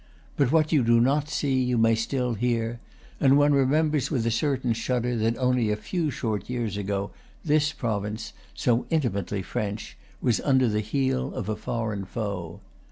But what you do not see you still may hear; and one remembers with a certain shudder that only a few short years ago this province, so intimately French, was under the heel of a foreign foe.